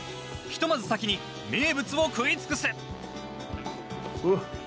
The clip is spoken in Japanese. ひとまず先に名物を食い尽くす！